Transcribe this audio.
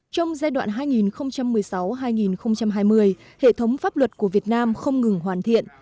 trong giai đoạn hai nghìn một mươi sáu hai nghìn hai mươi hệ thống pháp luật của việt nam không ngừng hoàn thiện